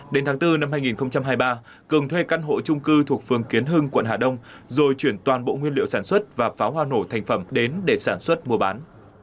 đến tháng bốn năm hai nghìn hai mươi ba cường thuê căn hộ trung cư thuộc phường kiến hưng quận hà đông rồi chuyển toàn bộ nguyên liệu sản xuất và pháo hoa nổ thành phẩm đến để sản xuất mua bán